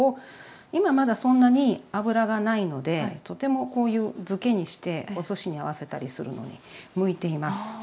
今まだそんなに脂がないのでとてもこういう漬けにしておすしに合わせたりするのに向いています。